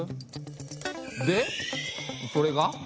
でそれが？